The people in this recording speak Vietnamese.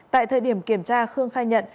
tại thời điểm kiểm tra khương khai nhận